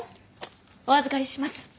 お預かりします。